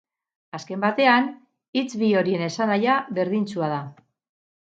Azken batean, hitz bi horien esanahia berdintsua da.